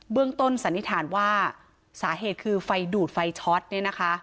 ต้นสันนิษฐานว่าสาเหตุคือไฟดูดไฟช็อตเนี่ยนะคะ